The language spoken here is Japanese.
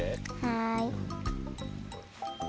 はい！